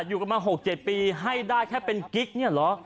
อยู่กันมา๖๗ปีให้ได้แค่เป็นกิ๊กเนี่ยเหรอ